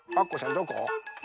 どこ？